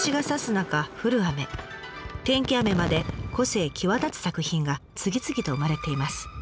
中降る雨天気雨まで個性際立つ作品が次々と生まれています。